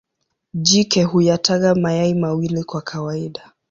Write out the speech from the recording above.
Jike huyataga mayai mawili kwa kawaida.